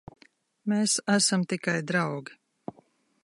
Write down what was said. Mēs esam tikai draugi.